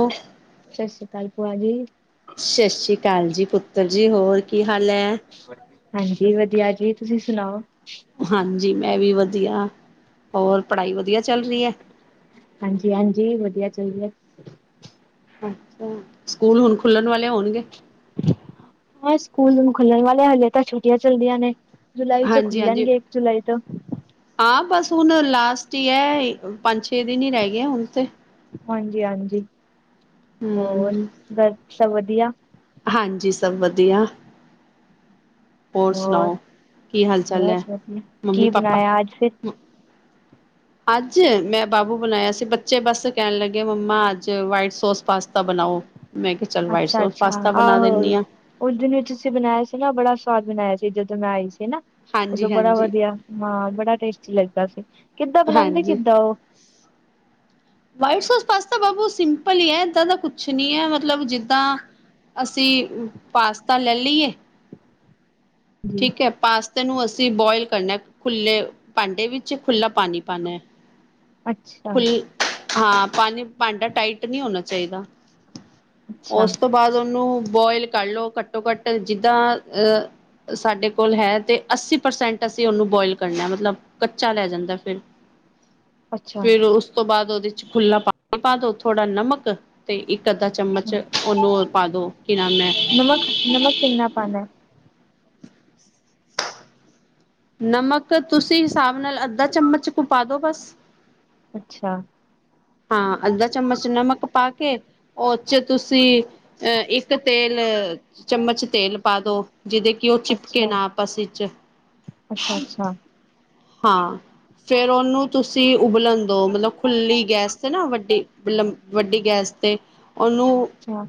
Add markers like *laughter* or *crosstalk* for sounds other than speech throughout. ਸਤਿ ਸ੍ਰੀ ਅਕਾਲ ਭੂਆ ਜੀ, ਸਤਿ ਸ੍ਰੀ ਅਕਾਲ ਜੀ ਪੁੱਤਰ ਜੀ ਹੋਰ ਕੀ, ਹਾਲ ਹੈ? ਹਾਂਜੀ ਵਧੀਆ ਜੀ, ਤੁਸੀਂ ਸੁਣਾਓ? ਹਾਂਜੀ ਮੈਂ ਵੀ ਵਧੀਆ ਹੋਰ ਪੜ੍ਹਾਈ ਵਧੀਆ ਚੱਲ ਰਹੀ ਹੈ। ਹਾਂਜੀ-ਹਾਂਜੀ ਵਧੀਆ ਚੱਲਏ, ਅੱਛਾ ਸਕੂਲ ਹੁਣ ਖੁੱਲਣ ਵਾਲੇ ਹੋਣਗੇ। ਹਾਂ ਸਕੂਲ ਖੁੱਲਣ ਵਾਲੇ ਹਜੇ ਤਾਂ ਛੁੱਟੀਆਂ ਚੱਲਦੀਆਂ ਨੇ, ਜੁਲਾਈ ਚ ਹਾਂਜੀ ਖੁੱਲਣ ਹਾਂਜੀ ਗੇ ਇੱਕ ਜੁਲਾਈ ਤੋ, ਹਾਂ ਬਸ ਹੁਣ ਲਾਸਟ ਈ ਐ ਪੰਜ ਛੇ ਦਿਨ ਹੀ ਰਹਿ ਗਏ ਹੁਣ ਤੇ, ਹਾਂਜੀ-ਹਾਂਜੀ ਹੋਰ ਹਮ ਸਭ ਵਧੀਆ, ਹਾਂਜੀ ਸਭ ਵਧੀਆ, ਹੋਰ ਸੁਣਾਓ ਕੀ ਹਾਲ ਚਾਲ ਹੈ ਬਸ ਵਧੀਆ। ਮੰਮੀ ਕੀ ਪਾਪਾ? ਬਣਾਇਆ ਅੱਜ ਫਿਰ? ਅੱਜ ਮੈਂ ਬਾਬੂ ਬਣਾਇਆ ਸੀ ਬੱਚੇ ਬਸ ਕਹਿਣ ਲੱਗੇ ਮੰਮਾ ਅੱਜ ਵਾਈਟ ਸੋਸ ਪਾਸਤਾ ਬਣ, ਨੌ, ਅੱਛਾ-ਅੱਛਾ, ਆਹੋ ਹਾਂ ਉਸ ਦਿਨ ਵਿੱਚ ਤੁਸੀਂ ਬਣਾਇਆ ਸੀ ਨਾ ਬੜਾ ਸਵਾਦ ਬਣਾਇਆ ਸੀ। ਜਦੋਂ ਮੈਂ ਆਈ ਸੀ ਨਾ ਉਦੋਂ ਹਾਂਜੀ ਬੜਾ ਹਾਂਜੀ ਵਧੀਆ ਹਾਂ ਬੜਾ ਟੇਸਟੀ ਲੱਗਾ ਸੀ। ਕਿੱਦਾਂ ਬਣਾਦੇ ਹਾਂਜੀ ਕਿੱਦਾਂ ਉਹ? ਬਾਈਟ ਸੋਸ ਪਾਸਤਾਂ ਬਾਬੂ ਸਿੰਪਲ ਹੀ ਹੈ ਇਏਦਾਂ ਦਾ ਕੁਛ ਨੀ ਹੈ ਮਤਲਬ ਜਿੱਦਾਂ। ਅਸੀਂ ਪਾਸਤਾ ਲੈ ਲਈਏ ਜੀ ਠੀਕ ਹੈ ਪਾਸਤਾ, ਨੂੰ ਅਸੀਂ ਬੋਇਲ ਕਰਨਾ ਖੁੱਲੇ ਭਾਂਡੇ ਵਿੱਚ ਖੁੱਲਾ ਪਾਣੀ ਪਾਣਾ ਹੈ ਅੱਛਾ ਹਾਂ ਪਾਣੀ ਭਾਂਡਾ ਟਾਈਟ ਨਹੀਂੀ ਹੋਣਾ ਚਾਹੀਦਾ ਉਸ ਤੋਂ ਬਾਅਦ ਉਹਨੂੰ ਬੋਇਲ ਕਰ ਲਓ ਘੱਟੋ ਘੱਟ ਜਿੱਦਾਂ ਅ ਸਾਡੇ ਕੋਲ ਹੈ ਤੇ ਅੱਸੀ ਪਰਸੈਂਟ ਅਸੀਂ ਉਹਨੂੰ ਬੋਇਲ ਕਰਨਾ ਮਤਲਬ ਕੱਚਾ ਲੈ ਜਾਂਦਾ ਫਿਰ *inaudible* ਅੱਛਾ ਫਿਰ ਉਸ ਤੋਂ ਬਾਅਦ ਉਹਦੇ ਚ ਖੁੱਲਾ ਪਾਣੀ ਪਾ ਦੋ ਥੋੜਾ ਨਮਕ ਤੇ ਇੱਕ ਅੱਧਾ ਚਮਚ ਉਹਨੂੰ ਪਾ ਦੋ ਕਿ ਨ ਮੈਂ ਨਮਕ ਨਮਕ ਕਿੰਨਾ ਪਾਣਾ ਨਮਕ ਤੁਸੀਂ ਹਿਸਾਬ ਨਾਲ ਅੱਧਾ ਚਮਚ ਕੋ ਪਾ ਦੋ ਬਸ ਅੱਛਾ ਹਾਂ ਅੱਧਾ ਚਮਚ ਨਮਕ ਪਾ ਕੇ ਉਹ ਚ ਤੁਸੀਂ ਅਹ ਇੱਕ ਤੇਲ ਚਮਚ ਤੇਲ ਪਾ ਦੋ ਜਿਹਦੇ ਕਿ ਉਹ ਚਿਪਕੇ ਅੱਛਾ ਨਾਸ ਚ ਅੱਛਾ ਅੱਛਾ ਹਾਂ ਫੇਰ ਉਹਨੂੰ ਤੁਸੀਂ ਉਬਲਣ ਦੋ ਮਤਲਬ ਖੁੱਲੀ ਗੈਸ ਨਾ ਵੱਡੀ ਵੱਡੀ ਗੈਸ ਤੇ ਉਹਨੂੰ ਅੱਛਾ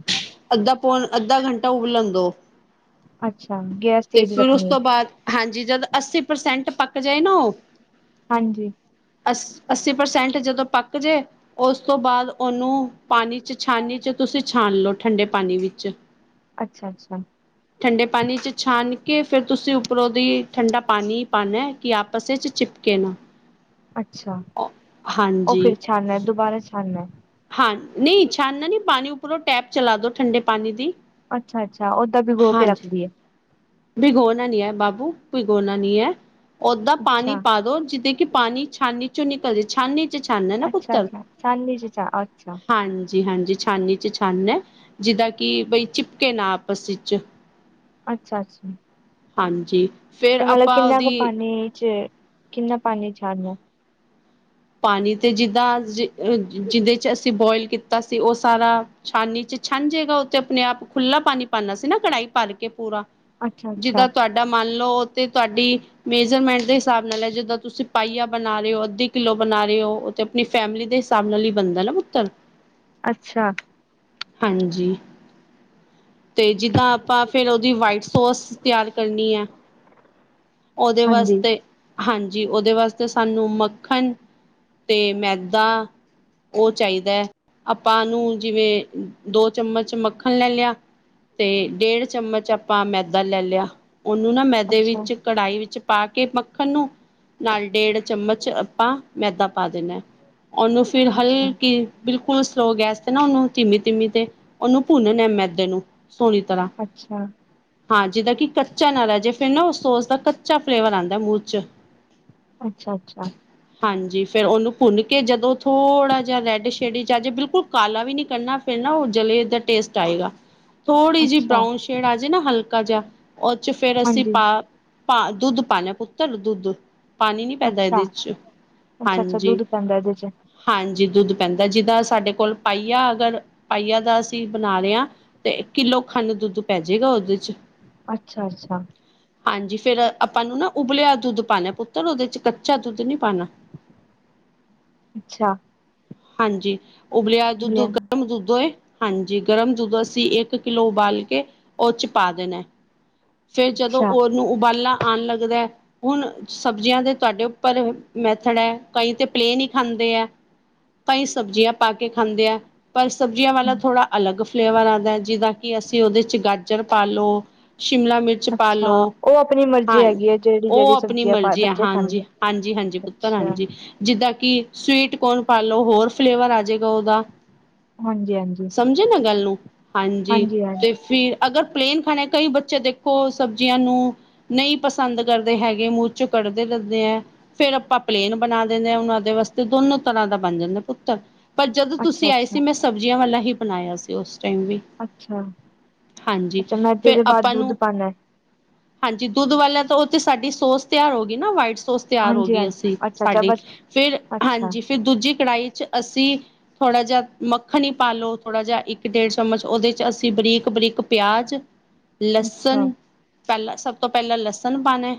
ਅੱਧਾ ਫੋਨ ਅੱਧਾ ਘੰਟਾ ਉਬਲਣ ਦ ਅੱਛਾ ਗੈਸ ਤੇਜ ਰੱਖਣੀ ਹੈ ਬਾਅਦ ਹਾਂਜੀ ਜਦੋਂ ਅੱਸੀ ਪ੍ਰਸੈਂਟ ਪੱਕ ਜਾਏ ਨਾ ਉਹ ਹਾਂਜੀ ਅਸ ਅੱਸੀ ਪ੍ਰਸੈਂਟ ਜਦੋਂ ਪੱਕ ਜੇ ਉਸ ਤੋਂ ਬਾਅਦ ਉਹਨੂੰ ਪਾਣੀ ਚ ਛਾਨਣੀ ਚ ਤੁਸੀਂ ਛਾਨ ਲਓ ਠੰਡੇ ਪਾਣੀ ਵਿੱਚ ਅੱਛਾ ਅੱਛਾ ਠੰਡੇ ਪਾਣੀ ਚ ਛਾਨ ਕੇ ਫਿਰ ਤੁਸੀਂ ਉੱਪਰੋਂ ਦੀ ਠੰਡਾ ਪਾਣੀ ਹੀ ਪਾਉਣਾ ਕਿ ਆਪਸ ਵਿੱਚ ਚਿਪਕੇ ਨਾ ਅੱਛਾ ਉਹ ਹਾਂਜੀ ਫਿਰ ਛਾਨਣਾ ਦੁਬਾਰਾ ਛਾਨਨਾ ਹਾਂ ਨਹੀਂ ਛਾਨਣਾ ਨੀ ਪਾਣੀ ਉੱਪਰੋਂ ਟੈਪ ਚਲਾ ਦੋ ਠੰਡੇ ਪਾਣੀ ਦੀ ਅੱਛਾ ਅੱਛਾ ਓਦਾਂ ਵੀ ਗੋ ਕੇ ਰੱਖਦੀਏ ਭਿਗੋਉਣਾ ਨੀ ਹੈ ਬਾਬੂ ਭਿਗੋਣਾ ਨੀ ਹੈ ਓਦਾਂ ਪਾਣੀ ਅੱਛਾ ਪਾ ਦੋ ਜਿੱਦ ਕਿ ਪਾਣੀ ਛਾਨੀ ਚੋਂ ਨਿਕਲ ਜਾ ਛਾਨੀ ਚ ਛਾਨ ਹੈ ਨਾ ਅੱਛਾ ਪੁੱਤਰ ਛਾਨਣੀ ਚ ਅੱਛਾ ਅੱਛਾ ਜੀ ਹਾਂਜੀ ਛਾਨੀ ਚ ਛਾਨ ਹੈ ਜਿੱਦਾਂ ਕਿ ਬਈ ਚਿਪਕੇ ਨਾ ਆਪਸ ਵਿੱਚ ਅੱਛਾ ਅੱਛਾ ਹਾਂਜੀ ਫੇਰ ਤੇ ਮਤਲਬ ਆਪਾਂ ਕਿੰਨਾ ਕੁ ਉਹਦੀ ਪਾਣੀ ਚ ਕਿੰਨਾ ਪਾਣੀ ਛੜਨਾ ਪਾਣੀ ਤੇ ਜਿੱਦਾਂ ਜਿਹਦੇ ਚ ਅਸੀਂ ਬੋਇਲ ਕੀਤਾ ਸੀ ਉਹ ਸਾਰਾ ਛਾਨੀ ਚ ਛੰਝੇਗਾ ਉੱਥਤੇ ਆਪਣੇ ਆਪ ਖੁੱਲ੍ਹਲਾ ਪਾਣੀ ਪਾਉਨਾ ਸੀ ਨਾ ਕੜਾਹੀ ਭਰ ਕੇ ਪੂਰਾ ਅੱਛਾ ਅੱਛਾ ਜਿੱਦਾਂ ਤੁਹਾਡਾ ਮੰਨ ਲਓ ਤੇ ਤੁਹਾਡੀ ਮੇਜਰਮੈਂਟ ਦੇ ਹਿਸਾਬ ਨਾਲ ਹੈ ਜਿੱਦਾਂ ਤੁਸੀਂ ਪਾਈਆ ਬਣਾ ਰਹੇ ਹੋ ਅੱਧੀ ਕਿੱਲੋ ਬਣਾ ਰਹੇ ਹੋ ਉਹ ਤੇ ਆਪਣੀ ਫੈਮਿਲੀ ਦੇ ਹਿਸਾਬ ਨਾਲ ਹੀ ਬਣਦਾ ਨਾ ਪੁੱਤਰ ਅੱਛਾ ਹਾਂਜੀ ਤੇ ਜਿੱਦਾਂ ਆਪਾਂ ਫਿਰ ਉਹਦੀ ਵਾਈਟ ਸੋਸ ਤਿਆਰ ਕਰਨੀ ਹੈ ਉਹਦੇ ਹਾਂਜੀ ਵਾਸਤੇ ਹਾਂਜੀ ਉਹਦੇ ਵਾਸਤੇ ਸਾਨੂੰ ਮ ਮੱਖਣ ਤੇ ਮੈਦਾ ਉਹ ਚਾਹੀਦਾ ਹੈ ਆਪਾਂ ਨੂੰ ਜਿਵੇਂ ਦੋ ਚਮਚ ਮੱਖਣ ਲੈ ਲਿਆ ਤੇ ਡੇਢ ਚਮਚ ਆਪਾਂ ਮੈਦਾ ਲੈ ਲਿਆ ਉਹਨੂੰ ਨਾ ਮੈਦੇ ਅੱਛਾ ਵਿੱਚ ਕੜਾਹੀ ਵਿੱਚ ਪਾ ਕੇ ਮੱਖਣ ਨੂੰ ਨਾਲ ਡੇਢ ਚਮਚ ਆਪਾਂ ਮੈਦਾ ਪਾ ਦੇਣਾ ਉਹਨੂੰ ਫਿਰ ਅੱਛਾ ਹਲਕੀ ਬਿਲਕੁਲ ਫੁਲ ਸਲੋ ਗੈਸ ਤੇ ਨਾ ਉਹਨੂੰ ਤੀਮੀ ਤੀਮੀ ਤੇ ਉਹਨੂੰ ਭੁੰਨਣ ਐ ਮੈਂਦੇ ਨੂੰ ਸੋਲੀ ਤਰ੍ਹਾਂ ਅੱਛਾ ਹਾਂ ਜਿਦਾਂ ਕਿ ਕੱਚਾ ਨਾਲਾ ਜੇ ਫਿਰ ਨਾ ਉਸੋ ਉਸਦਾ ਕੱਚਾ ਫਲੇਵਰ ਆਉਂਦਾ ਮੂੰਹ ਚ ਅੱਛਾ ਅੱਛਾ। ਹਾਂਜੀ ਫੇਿਰ ਉਹਨੂੰ ਭੁੰਨ ਕੇ ਜਦੋਂ ਥੋੜ੍ਹਾ ਜਿਹਾ ਰੈੱਡ ਸ਼ੇਡ ਚ ਆ ਜੇ ਬਿਲਕੁਲ ਕਾਲਾ ਵੀ ਨੀ ਕਰਨਾ ਫਿਰ। ਨਾ ਉਹ ਜਲੇ ਦਾ ਟੇਸਟ ਆਏਗਾ। ਥੋੜ੍ਹੀ ਜਿਹੀ ਅੱਛਾ ਬਰਾਊਨ ਸ਼ੇਡ ਆ ਜੇ ਨਾ ਹਲਕਾ ਜਿਹਾ ਉਹ ਚ ਫੇਰ ਅਸੀਂ ਹਾਂਜੀ ਪਾ। ਪਾ ਦੁੱਧ ਪਾ ਲਿਆ ਪੁੱਤਰ ਦੁੱਧ ਪਾਣੀ ਨੀ ਪੈਂਦਾ ਇਹਦੇ। ਅੱਛਾ ਚ ਅੱਛਾ ਅੱਛਾ ਹਾਂਜੀ ਦੁੱਧ ਪੈਂਦਾ ਇਹਦੇ ਚ। ਹਾਂਜੀ ਦੁੱਧ ਪੈਂਦਾ ਜਿੱਦਾਂ ਸਾਡੇ ਕੋਲ ਪਾਈਆ ਅਗਰ ਪਾਈਆ ਦਾ ਅਸੀਂ ਬਣਾ ਰਹੇ ਹਾਂ ਤੇ ਕਿੱਲੋ ਖੰਣ ਦੁੱਧ ਪੈ ਜਾੇਗਾ ਉਹਦੇ ਚ। ਅੱਛਾ ਅੱਛਾ। ਹਾਂਜੀ ਫੇਰ ਆਪਾਂ ਨੂੰ ਨਾ ਉਬਲਿਆ ਦੁੱਧ ਪਾਉਣਾ ਪੁੱਤਰ ਉਹਦੇ ਚ ਕੱਚਾ ਦੁੱਧ। ਨੀ ਪਾਉਣਾ। ਅੱਛਾ। ਹਾਂਜੀ ਉਬਲਿਆ ਦੁੱਧ ਗਰਮ ਦੁੱਧ ਹੋਏ। ਹਾਂਜੀ ਗਰਮ ਦੁੱਧ ਅਸੀਂ ਇੱਕ ਕਿੱਲੋ ਉਬਾਲ ਕੇ ਉਹ ਚ ਪਾ ਦੇਣਾ। ਫੇਰ ਜਦੋਂ ਅੱਛਾ ਓਨੂੰ ਉਬਾਲਾ ਆਉਣ ਲੱਗਦਾ। ਹੁਣ ਸਬਜ਼ੀਆਂ ਦੇ ਤੁਹਾਡੇ ਉੱਪਰ ਮੈਥਡ ਹੈ ਕਈ ਤਾਂ ਪਲੇਨ ਹੀ ਖਾਂਦੇ ਹੈ। ਭਾਈ ਸਬਜ਼ੀਆਂ ਪਾ ਕੇ ਖਾਂਦੇ ਆ। ਪਰ ਸਬਜ਼ੀਆਂ ਵਾਲਾ ਥੋੜ੍ਹਾ ਅਲੱਗ ਫਲੇਵਰ ਆਉਂਦਾ ਜਿੱਦਾਂ ਕਿ ਅਸੀਂ ਉਹਦੇ ਚ ਗਾਜਰ ਪਾ ਲੋ ਸ਼ਿਮਲਾ ਮਿਰਚ ਪਾ ਅੱਛਾ ਲਉ ਉਹ ਆਪਣੀ ਮਰਜ਼ੀ ਹਾਂ ਹੈਗੀ ਹੈ ਜਿਹੜੀ ਉਹ ਜਿਹੜੀ ਆਪਣੀ ਸਬਜ਼ੀਆਂ ਪਾ ਮਰਜ਼ੀ ਆ ਬੱਚੇ ਹਾਂਜੀ ਖਾਂਦੇ ਹਾਂਜੀ ਹ। ਹਾਂਜੀ ਪੁੱਤਰ ਅੱਛਾ ਹਾਂਜੀ ਜਿੱਦਾਂ ਕਿ ਸਵੀਟ ਕੋਨ ਪਾ ਲੋ ਹੋਰ ਫਲੇਵਰ ਆ ਜਾਏਗਾ ਉਹਦਾ ਹਾਂਜੀ ਹਾਂਜੀ ਸਮਝੇ ਨਾ ਗੱਲ ਨੂੰ ਹਾਂਜੀ ਤੇ ਫਿਰ ਅਗਰ ਪਲੇਨ ਖਾਣੇ ਕਈ ਬੱਚੇ ਦੇਖੋ ਸਬਜ਼ੀਆਂ ਨੂੰ ਨਹੀਂ ਪਸੰਦ ਕਰਦੇ ਹੈਗੇ ਮੂੰਹ ਚੋਂ ਕੱਢਦੇ ਦੇ ਫੇਰ ਆਪਾਂ ਪਲੇਨ ਬਣਾ ਦੇਿੰਦੇ ਹਾਂ ਹੁਣ ਉਹਦੇ ਵਾਸਤੇ ਦੋਨੋ। ਤਰਾਂ ਦਾ ਬਣ ਜਾਂਦਾ ਪੁੱਤਰ ਪਰ ਜਦੋਂ ਅੱਛਾ ਤੁਸੀਂ ਆਏ ਅੱਛਾ ਸੀ ਮੈਂ ਸਬਜ਼ੀਆਂ ਵਾਲਾ ਹੀ ਬਣਾਇਆ ਸੀ ਉਸ। ਟ ਵੀ ਅੱਛਾ ਹਾਂਜੀ ਅੱਛਾ ਮੈਦੇ ਫਿਰ ਦੇ ਬਾਅਦ ਆਪਾਂ ਦੁੱਧ ਨੂੰ। ਪਾਉਣਾ ਹਾਂਜੀ ਦੁੱਧ ਵਾਲਿਆਂ ਤਾਂ ਉਹਥ ਸਾਡੀ ਸੋਸ ਤਿਆਰ ਹੋ ਗਈ ਨਾ ਵਟ। ੋਸ ਤਿਆਰ ਹੋ ਹਾਂਜੀ ਗਈ ਹਾਂਜੀ ਅਸੀਂ ਅੱਛਾ ਅੱਛਾ ਸਾਡੀ ਬਸ ਫਿਰ ਅੱਛਾ ਹਾਂਜੀ। ਫਿਰ ਦੂਜੀ ਕੜਾਹੀ ਚ ਅਸੀਂ ਥੋੜਾ ਜਿਹਾ ਮੱਖਣ ਹੀ ਪਾਲਓ ਥੋੜਾ ਜਿਹਾ ਇੱਕ ਡੇਢ ਚਮਚ ਉਹਦੇ ਚ। ਅਸੀਂ ਬਰੀਕ -ਬਰੀਕ ਪਿਆਜ਼, ਅੱਛਾ ਲਸਣ ਪਹਿਲਾਂ ਸਭ ਤੋਂ ਪਹਿਲਾਂ ਲਸਣ ਪਾਣੇ।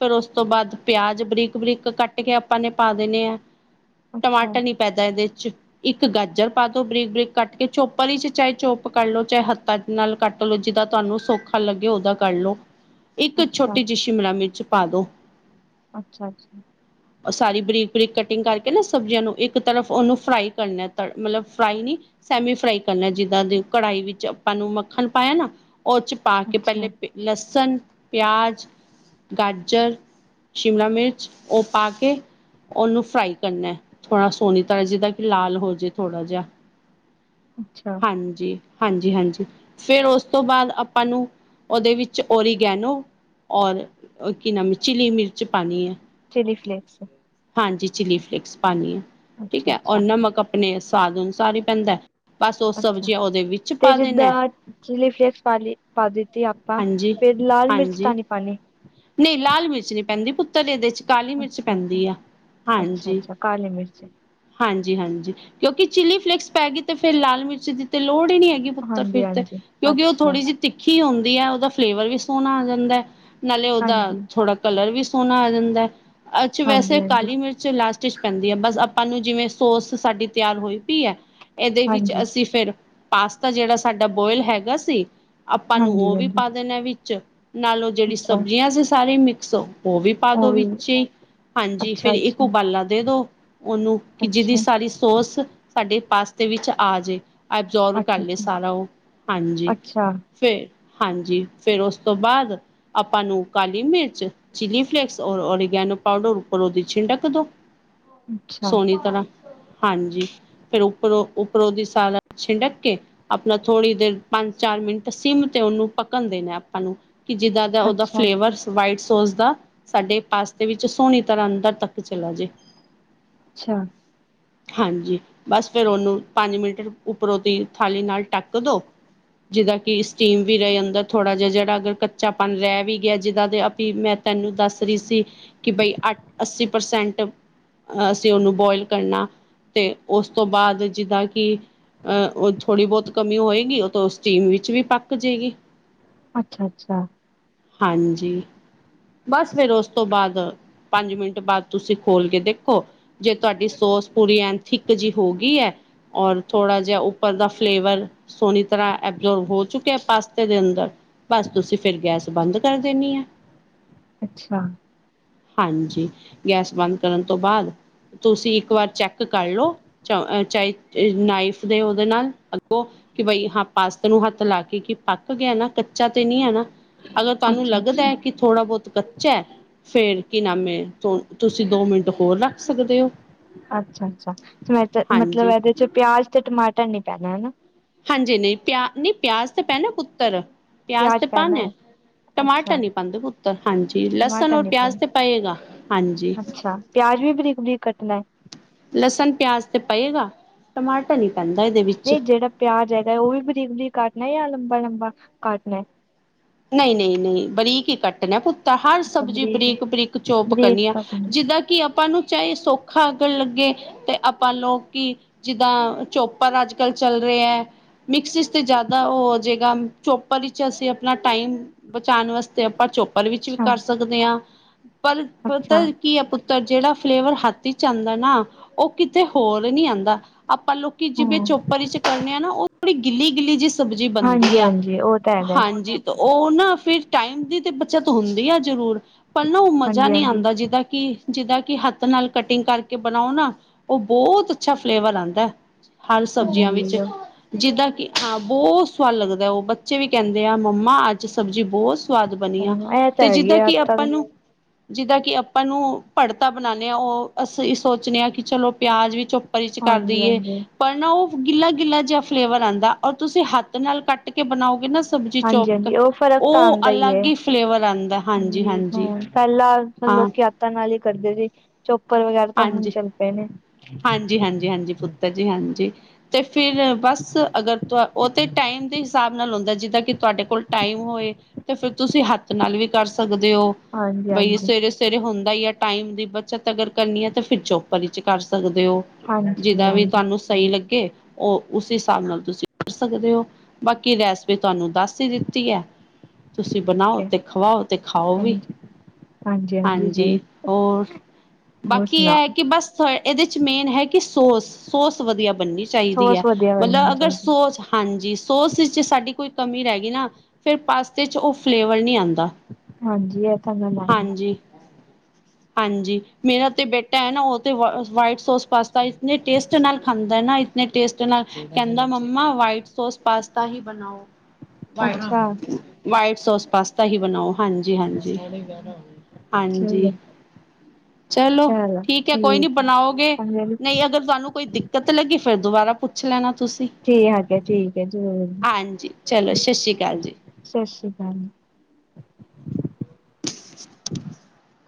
ਫਿਰ ਉਸ ਤੋਂ ਬਾਅਦ ਪਿਆਜ ਬਰੀਕ -ਬਰੀਕ ਕੱਟ ਕੇ ਆਪਾਂ ਨੇ ਪਾ ਦੇਣੇ ਆ। ਅੱਛਾ ਟਮਾਟਰ ਨੀ ਪੈਦਾ ਇਹਦੇ ਇੱਕ ਗਾਜਰ ਪਾਦੋ ਬਰੀਕ ਬਰੀਕ ਕੱਟ ਕੇ ਚੋਪਰ ਚ ਚਾਹੇ ਚੋਪ ਕਰਲੋ ਚਾਹੇ ਹੱਥਾਂ ਨਾਲ ਕੱਟ ਲੋ ਜਿਦਾਂ ਤੁਹਾਨੂੰ ਸੌਖਾ ਲੱਗੇ ਉਦਾ ਕਰ ਲੋ। ਇੱਕ ਅੱਛਾ ਛੋਟੀ ਜੀ ਸ਼ਿਮਲਾ ਮਿਰਚ ਪਾ ਦੋ। ਅੱਛਾ -ਅੱਛ। ਉਹ ਸਾਰੀ ਬਰੀਕ -ਬਰੀਕ ਕਟਿੰਗ ਕਰ ਇਨਾ ਸਬਜ਼ੀਆਂ ਨੂੰ ਇੱਕ ਤਰਫ ਉਹਨੂੰ ਫਰਾਈ ਕਰਨਾ ਤੜ ਮਤਲਬ ਫਰਾਈ ਨੀ ਸੈਮੀ ਫਰਾਈ ਕਰਨਾ ਜਿੱਦਾਂ ਦੇ ਕੜਹੀ ਵਿੱਚ ਆਪਾਂ ਨੂੰ ਮੱਖਣ ਪਾਇਆ ਨਾ ਉਹ ਚ ਪਾ ਕੇ ਅੱਛਾ ਪਹਿਲੇ ਲਸਣ ਪਿਆਜ। ਗਜਰ, ਸ਼ਿਮਲਾ ਮਿਰਚ ਉਹ ਪਾ ਕੇ ਉਨੂ ਫ੍ਰਾਈ ਕਰਨਾ ਏ ਥੋੜ੍ਹਾ ਸੋਹਣੀ ਤਰ੍ਹਾਂ ਜਿਦਾ ਕਿ ਲਾਲ ਹੋਜੇ ਥੋੜ੍ਹਾ ਜਾ। ਅੱਛਾ ਹਾਂਜੀ। ਹਾਂਜੀ -ਹਾਂਜੀ ਫਿਰ ਉਸ ਤੋਂ ਬਾਅਦ ਆਪਾਂ ਨੂੰ ਉਹਦੇ ਵਿੱਚ ਓਰੀਗੇਨੋ ਔਰ ਕੀ ਨਾਮ ਚਿਲੀ ਮਿਰਚ ਪਾਣੀ ਏ। Chilli flakes. ਹਾਂਜੀ ਚਿੱਲੀ ਫਲੇਕਸ ਪਾਣੀ ਹੈ ਠੀਕ ਅੱਛਾ ਹੈ, ਔਰ ਅੱਛਾ ਨਮਕ ਅਪਣੇ ਸਵਾਦ ਅਨੁਸਾਰ ਹੀ ਪੈਂਦਾ। ਬਸ ਉਹ ਅੱਛਾ ਸਬਜ਼ੀਆਂ ਉਹਦੇ ਵਿੱਚ ਤੇ ਪਾ ਜਿੱਦਾ ਦੇਣਾ ਚਿਲੀ ਫਲੇਕਸ ਪਾਲੀ ਪਾ ਦਿੱਤੀ ਆਪਾਂ ਹਾਂਜੀ ਫਿਰ ਲਾਲ ਮਿਰਚ ਹਾਂਜੀ ਤਾਂ ਨਹੀਂ ਪਾਨੀ। ਨਹੀਂ ਲਾਲ ਮਿਰਚ ਨਹੀਂ ਪੈਂਦੀ ਪੁੱਤਰ ਇਹਦੇ ਚ ਕਾਲੀ ਮਿਰਚ ਅੱਛਾ ਅੱਛਾ ਪੈਂਦੀ ਆ ਹਾਂਜੀ। ਅੱਛਾ-ਅੱਛਾ ਕਾਲੀ ਮਿਰਚ। ਹਾਂਜੀ ਹਾਂਜੀ ਕਿਉਂਕਿ ਚਿੱਲੀ ਫਿਲੇਕਸ ਪੈ ਗਈ ਤੇ ਫੇਿਰ ਲਾਲ ਮਿਰਚ ਦੀ ਤੇ ਲੋੜ ਨੀ ਹੈਗੀ ਪੁੱਤਰ ਫਿਰ ਤੇ ਹਾਂਜੀ-ਹਾਂਜੀ ਕਿਉਂਕਿ ਉਹ ਅੱਛਾ ਥੋੜ੍ਹੀ ਜਿਹੀ ਤਿੱਖੀ ੀ ਹੁੰਦੀ ਹੈ। ਉਹਦਾ ਫਲੇਵਰ ਵੀ ਸੋਹਣਾ ਆ ਜਾਂਦਾ ਹੈ। ਨਾਲੇ ਉਹਦਾ ਹਾਂਜੀ। ਥੋੜ੍ਹਾ ਕਲਰ ਵੀ ਸੋਹਣਾ ਆ ਜਾਂਦਾ ਏ ਅੱਜ ਵੈਸੇ ਹਾਂਜੀ-ਹਾਂਜੀ, ਕਾਲੀ ਮਿਰਚ ਲਾਸਟ ਵਿੱਚ ਪੈਂਦੀ ਹੈ ਬਸ ਆਪਾਂ ਨੂੰ ਜਿਵੇਂ ਸੋਸ ਸਾਡੀ ਤਿਆਰ ਹੋਈ ਪਈ ਐ ਇਹਦੇ ਵਿੱਚ ਹਾਂਜੀ, ਅਸੀਂ ਫਿਰ ਪਾਸਤਾ ਜਿਹੜਾ ਸਾਡਾ ਬੋਇਲ ਹੈਗਾ ਸੀ, ਆਪਾਂ ਨੂੰ ਉਹ ਵੀ ਹਾਂਜੀ-ਹਾਂਜੀ ਪਾ ਦੇਣਾ ਵਿੱਚ। ਨਾਲੋਂ ਜਿਹੜੀ ਅੱਛਾ ਸਬਜ਼ੀਆਂ ਸੀ ਸਾਰੀ ਮਿਕਸੋ ਉਹ ਵੀ ਪਾ ਦੋ ਉਹ ਵੀ ਵਿੱਚੇ ਹਾਂਜੀ ਫੇਰ ਇੱਕ ਅੱਛਾ-ਅੱਛਾ, ਉਬਾਲਾ ਦੇ ਦੋ ਉਹਨੂੰ ਕਿ ਜਿਹਦੀ ਅੱਛਾ, ਸਾਰੀ ਸੋਸ ਸਾਡੇ ਪਾਸਤੇ ਵਿੱਚ ਆਜੇ। ਐਬਜ਼ੋਰਵ ਕਰਲੇ ਅੱਛਾ-ਅੱਛਾ, ਸਾਰਾ ਉਹ ਹਾਂਜੀ ਫਿਰ ਹਾਂਜੀ ਫੇਰ ਉਸ ਤੋਂ ਬਾਅਦ ਆਪਾਂ ਨੂੰ ਕਾਲੀ ਮਿਰਚ, ਚਿੱਲੀ ਫਲੇਕਸ, ਔਰ ੳਰੀਗੈਨੋ ਇਹਨੂੰ ਪਾਉਡਰ ਉੱਪਰੋ ਦੀ ਛਿੰਡਕ ਦੋ। ਅੱਛਾ, ਅੱਛਾ, ਸੋਹਣੀ ਤਰ੍ਹਾਂ ਹਾਂਜੀ ਫਿਰ ਉਪੱਰੋਂ ਉੱਪਰੋਂ ਦੀ ਸਾਲਾ ਛਿੰਡਕ ਕੇ ਆਪਣਾ ਥੋੜ੍ਹੀ ਦੇਰ ਪੰਜ -ਚਾਰ ਮਿੰਟ ਸਿੰਮ ਤੇ ਉਨੂ ਪਕਣ ਦੇ। ਆਪਾਂ ਨੂੰ ਕਿ ਜਿੱਦਾਂ ਦਾ ਉਹਦਾ ਅੱਛਾ, ਫਲੇਵਰਸ ਵਾਈਟਸ ਸੋਚਦਾ ਸਾਡੇ ਪਾਸਤੇ ਵਿੱਚ ਸੋਹਣੀ ਤਰ੍ਹਾਂ ਅੰਦਰ ਤੱਕ ਚਲਾ ਜੇ। ਅੱਛਾ। ਹਾਂਜੀ, ਬਸ ਫਿਰ ਉਹਨੂੰ ਪੰਜ ਮਿੰਟ ਉੱਪਰੋਂ ਦੀ ਥਾਲੀ ਨਾਲ ਟੱਕ ਦੋ। ਜਿੱਦਾਂ ਕਿ ਸਟੀਮ ਵੀ ਰਹੇ ਅੰਦਰ ਥੋੜਾ ਜਿਹਾ ਜਿਹੜਾ ਅਗਰ ਕੱਚਾਪਨ ਰਹਿ ਵੀ ਗਿਆ ਜਿਾਂ ਦੇ ਅਪੀਲ ਮੈ ਤੈਨੂੰ ਦੱਸ ਰਹੀ ਸੀ ਕਿ ਬਈ ਅੱਠ ਅੱਸੀ ਪ੍ਰਸੈਂਟ ਅ -ਅਸੀਂ ਉਹਨੂੰ ਬੋਇਲ ਕਰਨਾ ਤੇ ਉਸ ਤੋਂ ਬਾਅਦ ਜਿਦਾ ਕਿ ਅਹ ਉਹ ਥੋੜ੍ਹੀ ਬਹੁਤ ਕਮੀ ਹੋਏਗੀ ਉਹ ਤੋ ਸਟੀਮ ਵਿੱਚ ਵੀ ਪੱਕ ਜੇਗੀ। ਅੱਛਾ- ਅੱਛਾ। ਹਾਂਜੀ ਬਸ ਫਿਰ ਉਸ ਤੋਂ ਬਾਅਦ ਪੰਜ ਮਿੰਟ ਬਾਅਦ ਤੁਸੀਂ ਖੋਲ ਕੇ ਦੇਖ ਜੇ ਤੁਹਾਡੀ ਸੋਸ ਪੂਰੀ ਐਨ। ਥਿੱਕ ਜਿ ਹੋਗੀ ਅ ਔਰ ਥੋੜ੍ਹਾ ਜਿਹਾ ਉੱਪਰ ਦਾ ਫਲੇਵਰ ਸੋਹਣੀ ਤਰ੍ਹਾਂ ਐਬਜੋਰਬ ਹੋ ਚੁੱਕਿਆ ਪਾਸਤੇ ਦੇ ਅੰਦਰ ਬਸ ਤੁਸੀਂ ਫਿਰ ਗਿਆ। ਬੰਦ ਕਰ ਦੇਣੀ ਹੈ ਅੱਛਾ, ਹਾਂਜੀ ਗੈਸ ਬੰਦ ਕਰਨ ਤੋਂ ਬਾਅਦ ਤੁਸੀਂ ਇੱਕ ਵਾਰ ਚੈੱਕ ਕਰ ਲਓ ਚੇ ਨਾਈਫ ਦੇ ਉਹਦੇ ਨਾਲ ਅੱਗੋਂ ਕਿ ਬਈ ਹਾਂ ਪਾਸਤ ਨੂੰ ਹੱਥ ਲਾ ਕੇ ਕੀ ਪੱਕ ਗਿਆ ਨਾ ਕੱਚਾ ਤੇ ਨਹੀਂ ਹੈ ਨਾ। ਅਗਰ ਤੁਹਾਨੂੰ ਲੱਗਦਾ ਅੱਛਾ-ਅੱਛਾ, ਹੈ ਕਿ ਥੋੜ੍ਹਾ ਬਹੁਤ ਕੱਚਾ ਹੈ ਫੇਰ ਕਿ ਨਾਮੇ ਤੁ ਤੁਸੀਂ ਦੋ ਮਿੰਟ ਹੋਰ ਰੱਖ ਸਕਦੇ ਹੋ। ਅੱਛਾ ਅੱਛਾ ਮੈਂ ਮਤਲਬ ਹਾਂਜੀ ਇਹਦੇ ਚ ਪਿਆਜ ਤੇ ਟਮਾਟਰ ਨੀ ਪੈਣਾ ਹਨਾ। ਹਾਂਜੀ ਨਹੀਂ ਪਿਆ ਨਹੀਂ ਪਿਆਜ ਤੇ ਪੈਣਾ ਪੁੱਤਰ ਪਿਆਜ ਤੇ ਪਾਨ ਪੈਣਾ ਹੈ ਟਮਾਟਰ ਅੱਛਾ ਨੀ ਪਾਉਂਦੇ ਪੁੱਤਰ ਹਾਂਜੀ ਲਸਣ ਟਮਾਟਰ ਔਰ ਨੀ ਪਿਆਜ ਤੇ ਪੈਣਾ ਪਏਗਾ ਹਾਂਜੀ। ਅਜ ਵੀ ਬਰੀਕ ਬਰੀਕ ਕੱਟਣਾ ਹੈ। ਲਸਣ ਪਿਆਜ ਤੇ ਪਏਗਾ ਟਮਾਟਰ ਨੀ ਪੈਂਦਾ ਇਹਦੇ ਵਿੱਚ। ਜਾਏ ਉਹ ਵੀ ਵਧੀਕ ਵਧੀਕ ਕਾਟਨਾ ਜਾਂ ਲੰਬਾ ਲੰਬਾ ਕੱਟਨਾ। ਨਹੀਂ ਨਹੀਂ ਨਹੀਂ ਬਰੀਕ ਹੀ ਕੱਟਣਾ ਪੁੱ। ਤਾਂ ਹਰ ਸਬਜ਼ੀ ਬਰੀਕ ਬਰੀਕ ਚੋਪ ਬਰੇਕ ਕਰਨੀ ਆ ਕੱਟ ਨੇ ਜਿੱਦਾਂ ਕਿ ਆਪਾਂ ਨੂੰ ਚਾਹੇ ਸੌਖਾ ਅਗਣ ਲੱਗੇ ਤੇ ਆਪਾਂ ਲੋਕ ਕਿ ਜਿੱਦਾਂ ਚੋਪਰ ਅੱਜ ਕੱਲ ਚੱਲ ਰਿਹਾ। ਮਿਕਸ ਤੇ ਜ਼ਿਆਦਾ ਉਹ ਹੋ ਜਾਏਗਾ ਚੋਪਰ ਵਿੱਚ ਅਸੀਂ ਆਪਣਾ ਟਾਈਮ ਬਚਾਉਣ ਵਾਸਤੇ ਆਪਾਂ ਚੋਪਰ ਵਿੱਚ ਵੀ ਅੱਛਾ ਕਰ ਸਕਦੇ ਹਾਂ। ਪਰ ਅੱਛਾ ਪਤਾ ਕੀ ਹੈ ਪੁੱਤਰ ਜਿਹੜਾ ਫਲੇਵਰ ਹੱਥ ਚ ਆਉਂਦਾ ਨਾ ਉਹ ਥ ਹੋਰ ਨੀ ਆਉਂਦਾ ਆਪਾਂ ਲੋਕੀ ਜਿਵੇਂ ਹਾਂ ਚੋਪਰ ਚ ਕਰਨੇ ਆ ਨਾ ਉਹ ਥੋੜੀ ਗਿੱਲੀ ਗਿੱਲੀ ਜਿਸ ਸਬਜ਼ੀ ਬਣਦੀ ਹਾਂਜੀ ਆ ਹਾਂਜੀ ਉਹ ਤਾਂ ਹੈਗਾ ਹਾਂਜੀ। ਉਹ ਨਾ ਫਿਰ ਟਾਈਮ ਦੀ ਤੇ ਬੱਚਾ ਤੋਂ ਹੁੰਦੀ ਆ ਜ਼ਰੂਰ। ਪਲ ਉਹ ਮਜ਼ਾ ਹਾਂਜੀ ਨਹੀਂੀ ਹਾਂਜੀ ਆਉਂਦਾ ਜਿੱਦਾਂ ਕਿ ਜਿਦਾਂ ਕਿ ਹੱਥ ਨਾਲ ਕਟਿੰਗ ਕਰਕੇ ਬਣਾਓ ਨਾ ਉਹ ਬਹੁਤ ਅੱਛਾ ਫਲੇਵਰ ਆਦਾ ਹੈ। ਹਰ ਸਬਜ਼ੀਆਂ ਹਾਂਜੀ ਵਿੱਚ ਜਿੱਦਾਂ ਕਿ ਹਾਂ ਬਹੁਤ ਸਵਾਦ ਲੱਗਦਾ ਉਹ ਬੱਚੇ ਵੀ ਕਹਿੰਦੇ ਆ। ਮੰਮਾ ਅੱਜ ਸਬਜ਼ੀ ਬਹੁਤ ਸਵਾਦ ਬਣੀ ਆ ਇਹ ਤਾਂ ਤੇ ਹੈਗੀ ਜਿੱਦਾਂ ਆ ਕਿ ਤਾਂ ਆਪਾਂ ਨੂੰ ਜਿੱਦਾਂ ਕਿ ਆਪਾਂ ਨੂੰ ਭੜਤਾ ਬਣਾਦੇ ਹਾਂ ਉਹ ਅਸੀਂ ਸੋਚਣੇ ਹਾਂ ਕਿ ਚਲੋ ਪਿਆਜ ਵਿੱਚ, ਚ ਹਾਂਜੀ ਹਾਂਜੀ ਕਰਦੀਏ ਹਾਂਜੀ ਪਰ ਨਾ ਉਹ ਗਿੱਲਾ ਗਿੱਲਾ ਜੇ, ਫਲੇਵਰ ਆਦਾ ਔਰ ਤੁਸੀਂ ਹੱਥ ਨਾਲ ਕੱਟ ਕੇ ਬਣਾਓਗੇ ਨਾ, ਸਬਜ਼ੀ ਚੋਪ ਹਾਂਜੀ-ਹਾਂਜੀ ਉਹ ਫ਼ਰਕ ਤਾਂ ਉਹ ਆਦਾ ਹੀ ਹੈ ਅਲੱਗ ਫਲੇਵਰ ਆਂਦਾ ਹਾਂਜੀ ਹ ਹਾਂਜੀ-ਹਾਂਜੀ। ਪਹਿਲਾਂ ਮਤਲਬ, ਹਾਂ, ਲੋਕ ਯਾਤਾਂ ਨਾਲ ਹੀ ਕਰਦੇ ਸੀ ਚੋਪਰ ਵਗੈਰਾ ਤਾਂ ਹੁਣ ਚੱਲ ਪਏ ਨੇ, ਹਾਂਜੀ-ਹਾਂਜੀ-ਹਾਂਜੀ ਪੁੱਤਰ ਜੀ ਹਾਂਜੀ। ਤੇ ਫਿਰ ਬਸ ਅਗਰ ਉਹ ਤੇ ਟਾਈਮ ਦੇ ਹਿਸਾਬ ਨਾਲ ਹੁੰਦਾ ਜਿੱਦਾਂ, ਕਿ ਤੁਹਾਡੇ ਕੋਲ ਟਾਈਮ ਹੋਏ ਤੇ ਫਰ ਤੁਸੀਂ ਹੱਥ ਨਾਲ ਵੀ ਕਰ ਸਕਦੇ ਹੋ। ਉਹ ਹਾਂਜੀ ਬਈ ਹਾਂਜੀ ਸਵੇਰੇ ਸਵੇਰੇ ਹੁੰਦੇ। ਟਾਈਮ ਦੀ ਬੱਚਤ ਅਗਰ ਕਰਨੀ ਹੈ ਤਾਂ ਫਿਰ ਚੋਪਰ ਚ ਕਰ, ਸਕਦੇ ਹੋ ਹਾਂਜੀ ਜਿਦਾਂ ਵੀ ਹਾਂਜੀ ਤੁਹਾਨੂੰ ਸਹੀ ਲੱਗੇ। ਉਹ ਉਸ ਹਿਸਾਬ ਨਾਲ ਤੁਸੀਂ ਕਰ ਸਕਦੇ ਹੋ ਬਾਕੀ ਰੈਸ ਵਿੱਚ, ਤੁਹਾਨੂੰ ਦੱਸ ਹੀ ਦਿੱਤੀ ਹੈ ਤੁਸੀਂ ਠੀਕ ਬਣਾਓ ਹੈ ਤੇ ਖਵਾਓ ਤੇ ਖਾਓ ਵੀ, ਹਾਂਜੀ ਹਾਂਜੀ ਹੋਰ ਹੋਰ ਬਾਕੀ ਇਹ ਸੁਣਾਓ ਕਿ ਬਸ, ਇਹਦੇ ਚ ਮੇਨ ਹੈ ਕਿ ਸੋਸ ਸੋਸ ਵਧੀਆ ਬਣਨੀ ਚਾਹੀਦੀ ਹੈ ਸੋਸ ਵਧੀਆ ਮਤਲਬ ਬਣਨੀ ਅਗਰ ਚਾਹੀਦੀ ਸੋਸ ਹਾਂਜੀ। ਸੋਸ ਚ ਸਾਡੀ ਕੋਈ ਕਮੀ ਰਹਿ ਗਈ ਨਾ ਫੇਰ ਪਾਸਤੇ ਚ ਉਹ ਫਲੇਵਰ ਨਹੀਂ ਆਦਾ। ਹਾਂਜੀ ਇਹ ਤਾਂ ਮੈਂ ਲਾਈ ਆ। ਹਾਂਜੀ ਮੇਰਾ ਤੇ ਬੇਟਾ ਹੈ ਨਾ ਉਹ ਤੇ, ਵਾਈਟ ਸੋਸ ਪਾਸਤਾ ਇਤਨੇ ਟੇਸਟ ਨਾਲ ਖਾਂਦਾ ਨਾ ਇਤਨੇ ਟੇਸਟ ਨਾਲ ਕਹਿੰਦਾ ਮੰਮਾ ਵਾਈਟ ਸੋਸ ਪਾਸਤਾ ਹੀ ਬਣਾਓ ਹੈ ਅੱਛਾ ਵਾਈਟ ਸੋਸ ਪਾਸਤਾ ਹੀ ਬਣਾਓ। ਹਾਂਜੀ ਹਾਂਜੀ ਠੀਕ ਹਾਂਜੀ, ਹੈ ਚਲੋ ਠੀਕ ਹੈ ਕੋਈ ਨੀ, ਬਣਾਓਗੇ ਪੰਜ ਨਹੀਂ ਅਗਰ ਤੁਹਾਨੂੰ ਕੋਈ ਦਿੱਕਤ ਲੱਗੀ ਫੇਰ ਦੁਬਾਰਾ ਪੁੱਛ ਲੈਣਾ। ਤੁਸੀਂ ਠੀ ਆ ਠੀਕ ਹੈ ਜ਼ਰੂਰ ਹਾਂਜੀ ਚਲੋ ਸਤਿ ਸ਼੍ਰੀ ਅਕਾਲ ਜੀ ਸਤਿ ਸ੍ਰੀ ਅਕਾਲ, ਹਾਂ,